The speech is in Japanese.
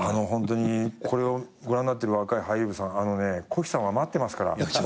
ホントにこれをご覧になってる若い俳優さんコヒさんは待ってますから。